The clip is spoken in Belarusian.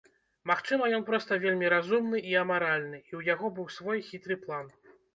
Магчыма, ён проста вельмі разумны і амаральны, і ў яго быў свой хітры план.